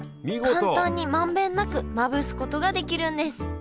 簡単に満遍なくまぶすことができるんです